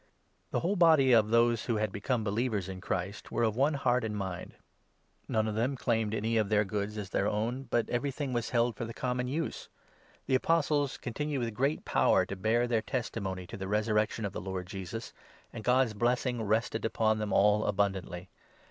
The Tne wh°le body of those who had become 32 common believers in Christ were of one heart and mind. Fund. Not one of them claimed any of his goods as his WExod. ao. ii. !» a>P.. a. i. THE ACTS, 4 5. 221 own, but everything was held for the common use. The 33 Apostles continued with great power to bear their testimony to the resurrection of the Lord Jesus, and God's blessing rested upon them all abundantly.